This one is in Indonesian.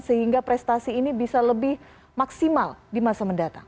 sehingga prestasi ini bisa lebih maksimal di masa mendatang